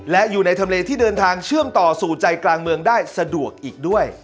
และอยู่ในทำเลที่เดินทางเชื่อมต่อสู่ใจกลางเมืองได้สะดวกอีกด้วย